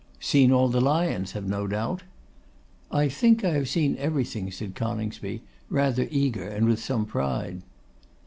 'Seen all the lions, have no doubt?' 'I think I have seen everything,' said Coningsby, rather eager and with some pride.